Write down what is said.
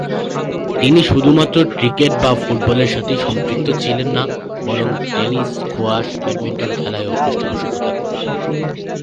তিনি শুধুমাত্র ক্রিকেট বা ফুটবলের সাথেই সম্পৃক্ত ছিলেন না; বরং টেনিস, স্কোয়াশ, ব্যাডমিন্টন খেলায়ও পৃষ্ঠপোষকতা করতেন।